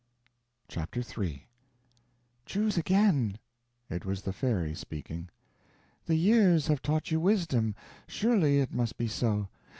Chapter III "Choose again." It was the fairy speaking. "The years have taught you wisdom surely it must be so.